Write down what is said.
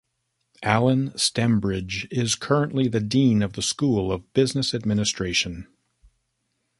Allen Stembridge is currently the dean of the School of Business Administration.